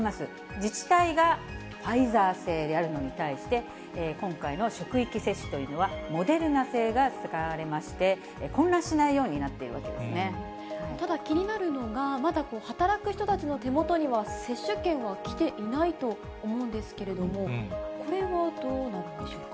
自治体がファイザー製であるのに対して、今回の職域接種というのはモデルナ製が使われまして、混乱しないただ、気になるのが、まだ働く人たちの手元には、接種券は来ていないと思うんですけれども、これはどうなるんでしょうか。